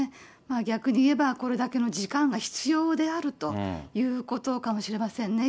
逆に言えば、これだけの時間が必要であるということかもしれませんね。